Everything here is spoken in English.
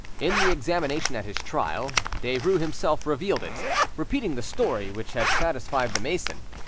In the examination at his trial. Derues himself revealed it, repeating the story which had satisfied the mason.